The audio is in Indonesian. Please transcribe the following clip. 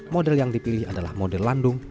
model yang dipilih adalah model landung